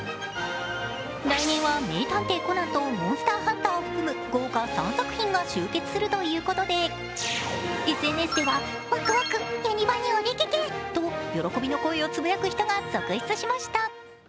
来年は「名探偵コナン」と「モンスターハンター」を含む豪華３作品が集結するということでＳＮＳでは喜びの声をつぶやく人が続出しました。